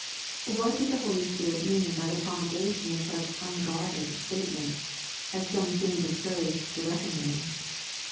What did the Holy Spirit mean by the promulga tion of such * unguarded ' statements, as some seem disposed to reckon them